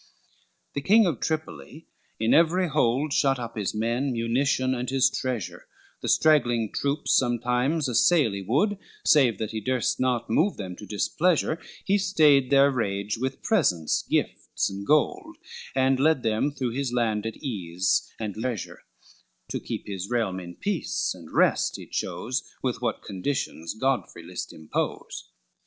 LXXVI The King of Tripoli in every hold Shut up his men, munition and his treasure, The straggling troops sometimes assail he would, Save that he durst not move them to displeasure; He stayed their rage with presents, gifts and gold, And led them through his land at ease and leisure, To keep his realm in peace and rest he chose, With what conditions Godfrey list impose.